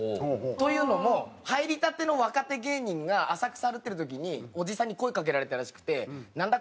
というのも入りたての若手芸人が浅草歩いてる時におじさんに声かけられたらしくてなんだ？